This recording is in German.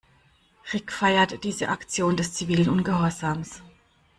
Rick feiert diese Aktion des zivilen Ungehorsams.